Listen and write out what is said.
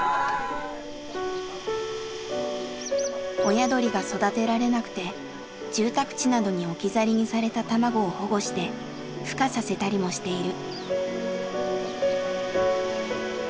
親鳥が育てられなくて住宅地などに置き去りにされた卵を保護してふ化させたりもしている。